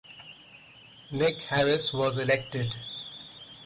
Nick Harris was elected.